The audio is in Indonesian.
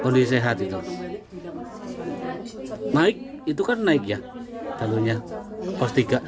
naik itu kan naik ya talunya pos tiga